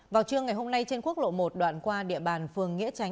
vào trưa ngày hôm nay trên quốc lộ một đoạn qua địa bàn phường nghĩa tránh